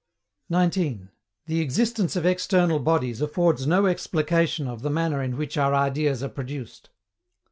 19. THE EXISTENCE OF EXTERNAL BODIES AFFORDS NO EXPLICATION OF THE MANNER IN WHICH OUR IDEAS ARE PRODUCED.